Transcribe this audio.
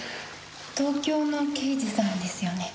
東京の刑事さんですよね？